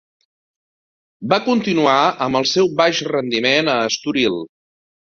Va continuar amb el seu baix rendiment a Estoril.